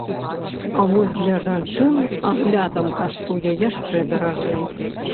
А вось для жанчын аглядам каштуе яшчэ даражэй.